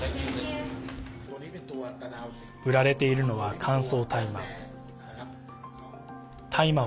売られているのは乾燥大麻。